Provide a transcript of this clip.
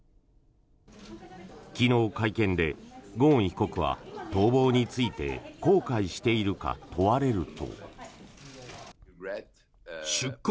昨日、会見でゴーン被告は逃亡について後悔しているか問われると。